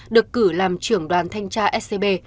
được cử làm trưởng đoàn thanh tra scb